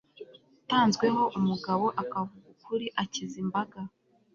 utanzweho umugabo akavuga ukuri, akiza imbaga